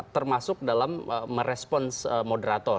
termasuk dalam merespons moderator